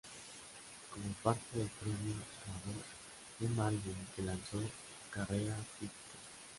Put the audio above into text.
Como parte del premio, grabó un álbum que lanzó su carrera artística.